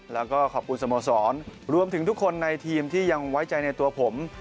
แล้วก็ขอบคุณสโมสรรวมถึงทุกคนในทีมที่ยังไว้ใจในตัวผม